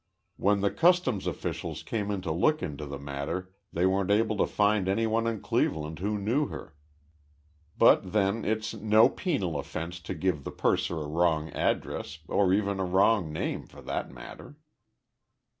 When the customs officials came to look into the matter they weren't able to find anyone in Cleveland who knew her, but then it's no penal offense to give the purser a wrong address, or even a wrong name, for that matter.